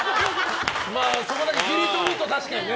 そこだけ切り取ると確かにね。